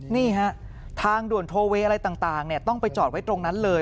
นี่ฮะทางด่วนโทเวย์อะไรต่างต้องไปจอดไว้ตรงนั้นเลย